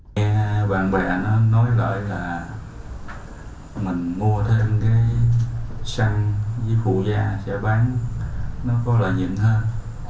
nghe bạn bè nói lời là mình mua thêm cái xăng với phụ gia sẽ bán nó có lợi nhịn hơn